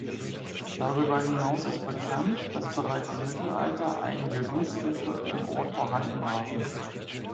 Darüber hinaus ist bekannt, dass bereits im Mittelalter einige Gutshöfe im Ort vorhanden waren.